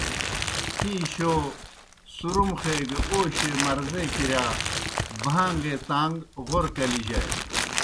ہی شو، سُرُمخے گہ اوشیْئے مرضے کِرِیا بھان٘گے تان٘گ غورہ کلیجانیْ۔